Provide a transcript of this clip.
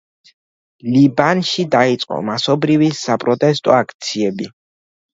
ლიბანში დაიწყო მასობრივი საპროტესტო აქციები.